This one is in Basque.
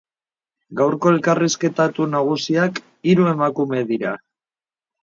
Gaurko elkarrizketatu nagusiak, hiru emakume dira.